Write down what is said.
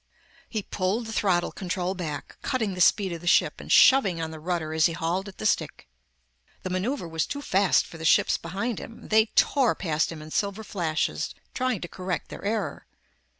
He pulled the throttle control back, cutting the speed of the ship and shoving on the rudder as he hauled at the stick. The maneuver was too fast for the ships behind him. They tore past him in silver flashes, trying to correct their error.